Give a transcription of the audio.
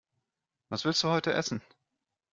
Was willst du heute essen?